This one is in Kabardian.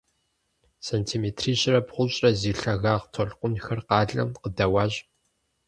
Сантиметрищэрэ бгъущӏрэ зи лъагагъ толъкъунхэр къалэм къыдэуащ.